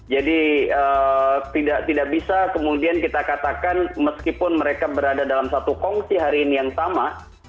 jadi tidak bisa kemudian kita katakan meskipun mereka berada dalam satu kongsi hari ini yang sama